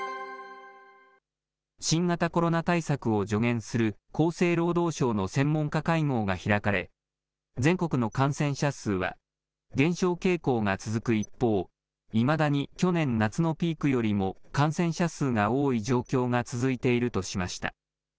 新型コロナ対策を助言する厚生労働省の専門家会合が開かれ、全国の感染者数は減少傾向が続く一方、いまだに去年夏のピークよりも感染者数が多い状況が続いているとしました。